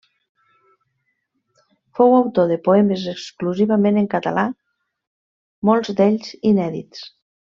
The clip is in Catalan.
Fou autor de poemes exclusivament en català, molts d'ells inèdits.